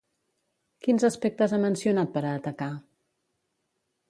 Quins aspectes ha mencionat per a atacar?